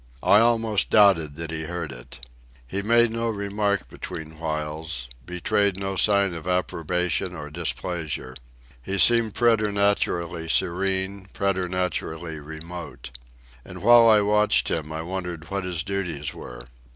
I almost doubted that he heard it. He made no remarks between whiles, betrayed no sign of approbation or displeasure. He seemed preternaturally serene, preternaturally remote. And while I watched him I wondered what his duties were.